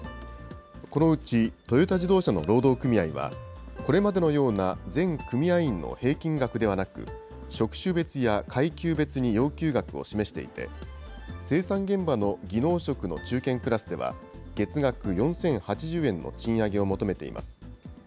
このうち、トヨタ自動車の労働組合は、これまでのような全組合員の平均額ではなく、職種別や階級別に要求額を示していて、生産現場の技能職の中堅クラスでは、月額４０８０円の賃上げを求めています。